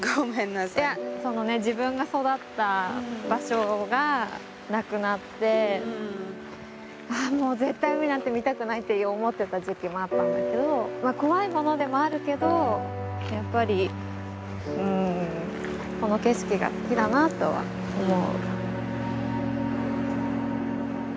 いやそのね自分が育った場所がなくなってあもう絶対海なんて見たくないって思ってた時期もあったんだけど怖いものでもあるけどやっぱりうんこの景色が好きだなとは思う。